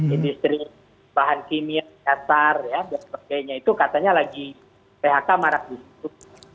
industri bahan kimia katar ya dan sebagainya itu katanya lagi phk marah gitu